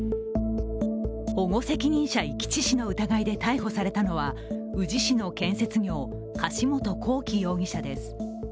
保護責任者遺棄致死の疑いで逮捕されたのは宇治市の建設業、柏本光樹容疑者です。